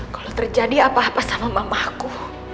kalau terjadi apa apa sama mamaku